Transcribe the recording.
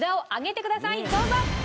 どうぞ！